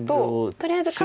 とりあえず下辺。